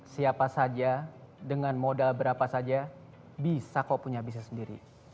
siapa saja dengan modal berapa saja bisa kok punya bisnis sendiri